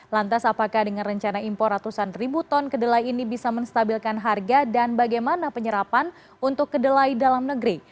lantas apakah dengan rencana impor ratusan ribu ton kedelai ini bisa menstabilkan harga dan bagaimana penyerapan untuk kedelai dalam negeri